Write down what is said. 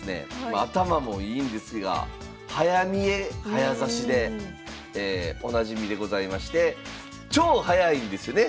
まあ頭もいいんですが「早見え」早指しでおなじみでございまして超早いんですよね？